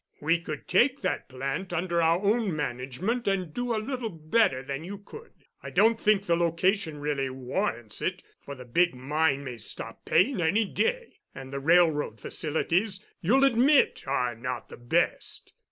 We could take that plant under our own management and do a little better than you could. I don't think the location really warrants it—for the big mine may stop paying any day and the railroad facilities, you'll admit, are not of the best.